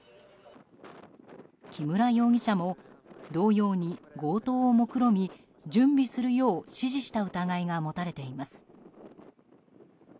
木村容疑者も同様に強盗をもくろみ準備するよう指示した疑いが持たれています。